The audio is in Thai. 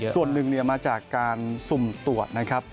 ส่วนหนึ่งมาจากการสุ่มตรวจนะครับ